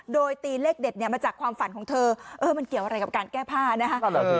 โดยตีเลขเด็ดเนี่ยมาจากความฝันของเธอเออมันเกี่ยวอะไรกับการแก้ผ้านะคะ